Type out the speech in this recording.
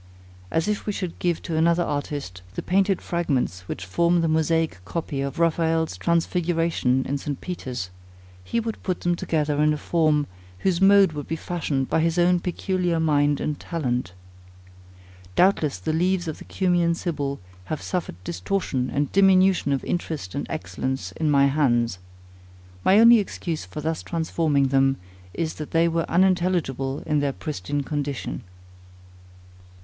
As if we should give to another artist, the painted fragments which form the mosaic copy of Raphael's Transfiguration in St. Peter's; he would put them together in a form, whose mode would be fashioned by his own peculiar mind and talent. Doubtless the leaves of the Cumæan Sibyl have suffered distortion and diminution of interest and excellence in my hands. My only excuse for thus transforming them, is that they were unintelligible in their pristine condition.